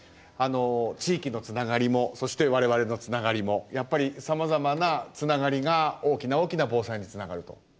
あの地域のつながりもそして我々のつながりもやっぱりさまざまなつながりが大きな大きな防災につながると。